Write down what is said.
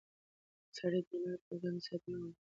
سړي د لمر پر وړاندې ساتنه غواړي.